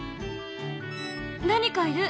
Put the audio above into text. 何かいる！